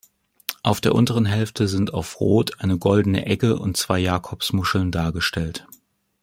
Auf der unteren Hälfte sind auf Rot eine goldene Egge und zwei Jakobsmuscheln dargestellt.